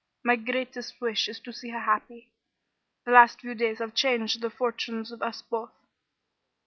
My greatest wish is to see her happy. The last few days have changed the fortunes of us both.